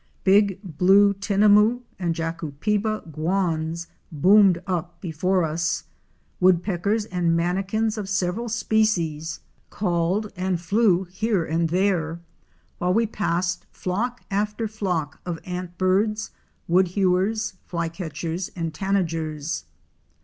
Big Blue Tinamou' and Jacupeba Guans® boomed up before us; Woodpeckers and Manakins of several species called 322 OUR SEARCH FOR A WILDERNESS. and flew here and there, while we passed flock after flock of Antbirds, Woodhewers, Flycatchers and Tanagers.